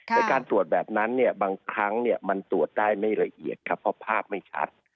แต่การตรวจแบบนั้นเนี่ยบางครั้งมันตรวจได้ไม่ละเอียดครับเพราะภาพไม่ชัด